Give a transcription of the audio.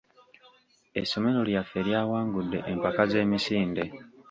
Essomero lyaffe lyawangudde empaka z'emisinde.